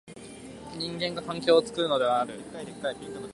人間が環境を作るのである。